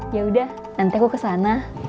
yaudah nanti aku kesana